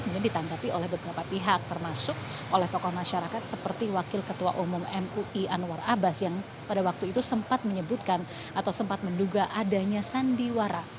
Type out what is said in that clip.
kemudian ditanggapi oleh beberapa pihak termasuk oleh tokoh masyarakat seperti wakil ketua umum mui anwar abbas yang pada waktu itu sempat menyebutkan atau sempat menduga adanya sandiwara